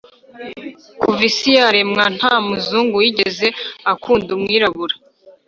kuva isi yaremwa nta muzungu wigeze akunda umwirabura